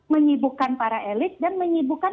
menyibukkan para elit dan menyibukkan